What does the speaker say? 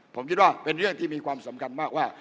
ผมคิดว่าเป็นเรื่องที่มีความสำคัญมากว่า